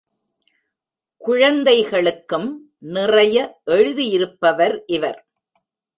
குழந்தைகளுக்கும் நிறைய எழுதியிருப்பவர் இவர்.